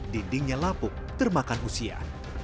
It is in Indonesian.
dindingnya lapuk termakan usia